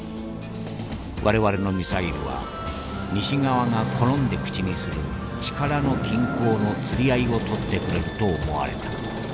我々のミサイルは西側が好んで口にする力の均衡の釣り合いをとってくれると思われた。